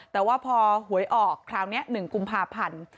แต่ว่าพอหวยออกคราวนี้๑กุมภาพันธ์